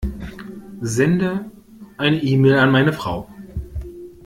Sende eine E-Mail an meine Frau.